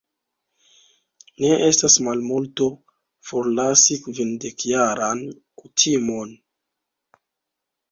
Ne estas malmulto, forlasi kvindekjaran kutimon.